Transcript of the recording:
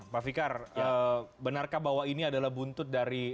pak fikar benarkah bahwa ini adalah buntut dari